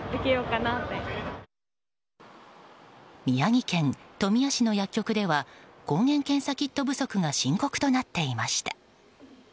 宮城県富谷市の薬局では抗原検査キット不足が深刻となっていました。